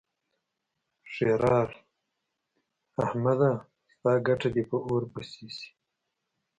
ښېرار: احمده! ستا ګټه دې په اور پسې شي.